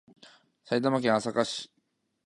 埼玉県朝霞市